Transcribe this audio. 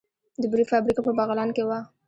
د بورې فابریکه په بغلان کې وه